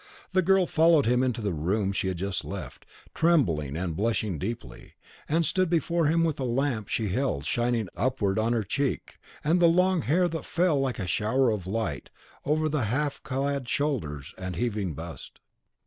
The girl followed him into the room she had just left, trembling and blushing deeply, and stood before him with the lamp she held shining upward on her cheek and the long hair that fell like a shower of light over the half clad shoulders and heaving bust.